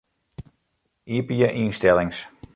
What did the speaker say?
Iepenje ynstellings.